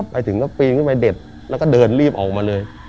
ไปถึงก็ปีนขึ้นไปเด็ดแล้วก็เดินรีบออกมาเลย